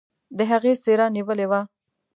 د هغې څيره نيولې وه.